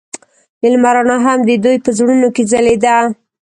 د لمر رڼا هم د دوی په زړونو کې ځلېده.